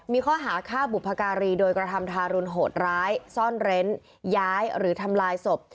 มีข้อหาฆ่าบุพการีโดยกระทำทารุณโหดร้ายซ่อนเร้นย้ายหรือทำลายศพ